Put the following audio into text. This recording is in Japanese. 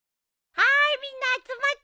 はーいみんな集まって！